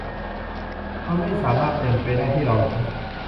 มันไม่สามารถเป็นไปได้ที่เราหลง